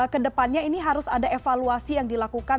ke depannya ini harus ada evaluasi yang dilakukan